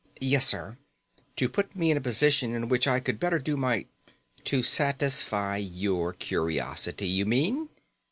"Yes, sir. To put me in a position in which I could better do my " "To satisfy your curiosity, you mean!"